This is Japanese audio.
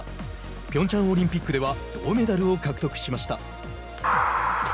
ピョンチャンオリンピックでは銅メダルを獲得しました。